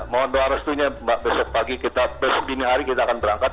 mohon berharap semuanya besok pagi kita besok dini hari kita akan berangkat